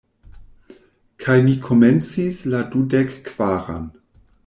Kaj mi komencis la dudekkvaran.